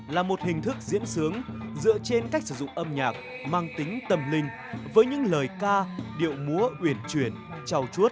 là một hình thức diễn sướng dựa trên cách sử dụng âm nhạc mang tính tâm linh với những lời ca điệu múa uyển chuyển trao chuốt